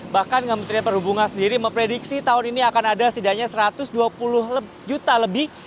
bahkan kementerian perhubungan sendiri memprediksi tahun ini akan ada setidaknya satu ratus dua puluh juta lebih